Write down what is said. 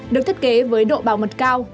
được thiết kế với độ bảo mật cao